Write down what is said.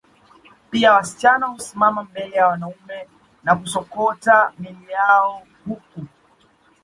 Pia wasichana husimama mbele ya wanaume na kusokota miili yao huku